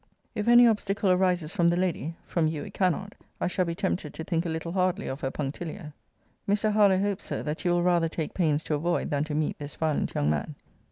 ] [If any obstacle arises from the lady, (from you it cannot,) I shall be tempted to think a little hardly of her punctilio.] Mr. Harlowe hopes, Sir, that you will rather take pains to avoid, than to meet, this violent young man.